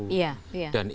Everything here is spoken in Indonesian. dan itu sudah ditutup